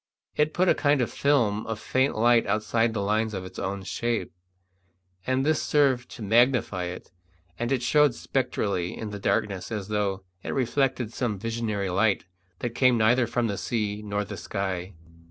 It put a kind of film of faint light outside the lines of its own shape, and this served to magnify it, and it showed spectrally in the darkness as though it reflected some visionary light that came neither from the sea nor the sky.